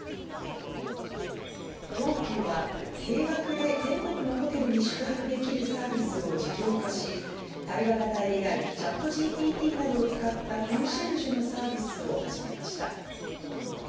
東急は、定額で全国のホテルに宿泊できるサービスを事業化し、対話型ＡＩ・ＣｈａｔＧＰＴなどを使ったコンシェルジュのサービスを始めました。